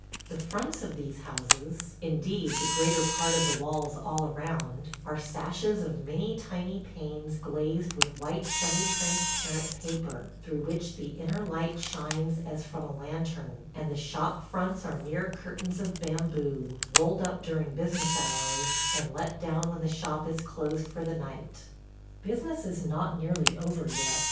The fronts of these houses – indeed, the greater part of the walls all around, are sashes of many tiny panes glazed with white, semi transparent paper, through which the inner light shines as from a lantern; and the shop fronts are mere curtains of bamboo, rolled up during business hours, and let down when the shop is closed for the night. ... Business is not nearly over yet.